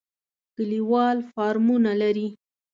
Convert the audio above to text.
کلیوال فارمونه لري.